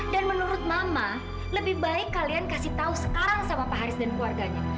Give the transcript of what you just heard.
dan menurut mama lebih baik kalian kasih tahu sekarang sama pak haris dan keluarganya